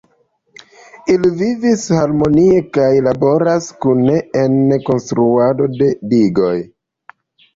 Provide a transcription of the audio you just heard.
Ili vivas harmonie kaj laboras kune en konstruado de digoj.